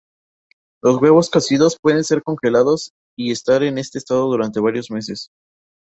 Los huevos cocidos pueden ser congelados y estar en este estado durante varios meses.